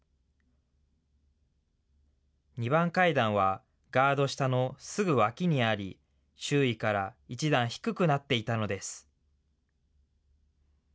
２番階段は、ガード下のすぐ脇にあり、周囲から１段低くなっていたのです。